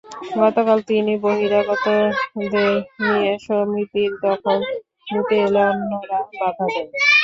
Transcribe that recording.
গতকাল তিনি বহিরাগতদের নিয়ে সমিতির দখল নিতে এলে অন্যরা বাধা দেন।